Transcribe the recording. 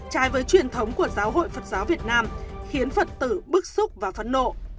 trái với truyền thống của giáo hội phật giáo việt nam khiến phật tử bức xúc và phẫn nộ